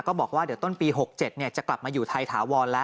บอกว่าเดี๋ยวต้นปี๖๗จะกลับมาอยู่ไทยถาวรแล้ว